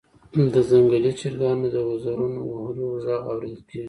د ځنګلي چرګانو د وزرونو وهلو غږ اوریدل کیږي